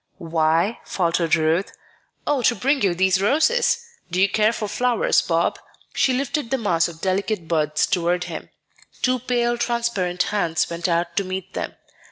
"Why?" faltered Ruth. "Oh, to bring you these roses. Do you care for flowers, Bob?" She lifted the mass of delicate buds toward him. Two pale, transparent hands went out to meet them.